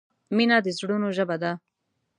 مینه د زړونو ژبه ده.